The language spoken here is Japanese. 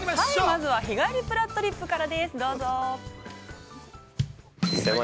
◆まずは「日帰りぷらっとりっぷ」からです、どうぞ。